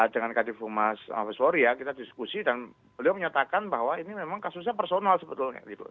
dengan kadif umar mahfaz fowri ya kita diskusi dan beliau menyatakan bahwa ini memang kasusnya personal sebetulnya